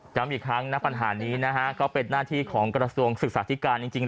ย้ำอีกครั้งนะปัญหานี้นะฮะก็เป็นหน้าที่ของกระทรวงศึกษาธิการจริง